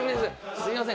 すみません